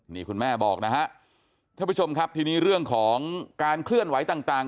นี่คุณแม่บอกนะฮะท่านผู้ชมครับทีนี้เรื่องของการเคลื่อนไหวต่าง